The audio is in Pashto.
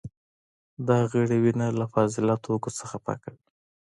دا غړي وینه له فاضله توکو څخه پاکوي.